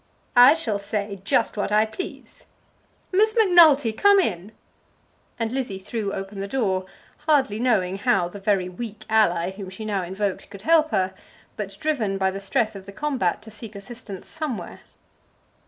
"I shall say just what I please." "Miss Macnulty, come in." And Lizzie threw open the door, hardly knowing how the very weak ally whom she now invoked could help her, but driven by the stress of the combat to seek assistance somewhere.